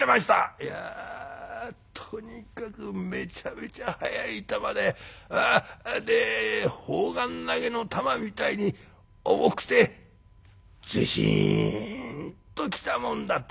「いやとにかくめちゃめちゃ速い球でで砲丸投げの球みたいに重くてズシーンときたもんだ」って。